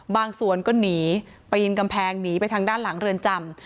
บางส่วนก็หนีปีนกำแพงหนีไปทางด้านหลังเรือนจำ